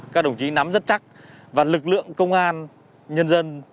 các đồng chí nắm rất chắc và lực lượng công an nhân dân